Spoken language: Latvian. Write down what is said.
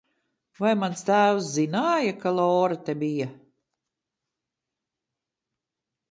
Vai mans tēvs zināja, ka Lora te bija?